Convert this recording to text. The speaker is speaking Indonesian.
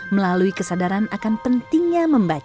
melalui kesadaran akan pentingnya membaca